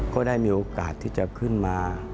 ก็ได้มีโอกาสที่จะขึ้นมา